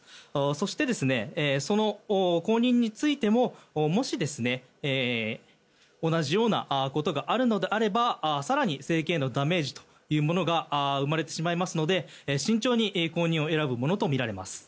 そして、その後任についてももし、同じようなことがあるのであれば更に政権へのダメージというものが生まれてしまいますので慎重に後任を選ぶものとみられます。